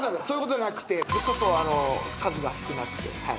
そういう事じゃなくってちょっとあの数が少なくて。